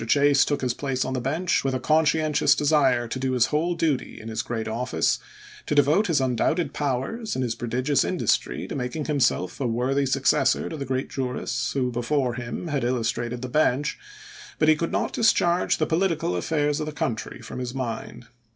Chase took his place on the bench with a conscientious desire to do his whole duty in his great office, to devote his undoubted powers and his prodigious industry to making himself a worthy successor of the great jurists who before him had illustrated the bench, but he could not discharge the political affairs of the country from his mind.